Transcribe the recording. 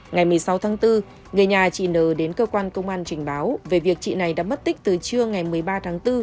ngày một mươi sáu tháng bốn người nhà chị n đến cơ quan công an trình báo về việc chị này đã mất tích từ trưa ngày một mươi ba tháng bốn